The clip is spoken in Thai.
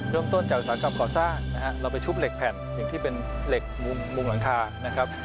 เราไปชุบเหล็กแผ่นอย่างที่เป็นเหล็กมุมหลังคานะครับ